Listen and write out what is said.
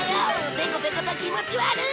ペコペコと気持ち悪い！